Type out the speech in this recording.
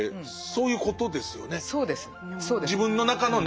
そういうことです。